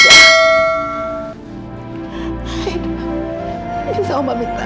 jangan sampai mak minta